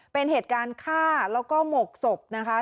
เป็นเหตุการณ์ฆ่าแล้วก็หมกศพนะคะ